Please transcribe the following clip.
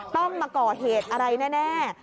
ต้องมาก่อเหตุอะไรแน่